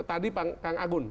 tadi pak kang agun